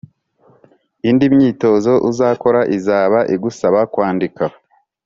Indi myitozo uzakora izaba igusaba kwandika.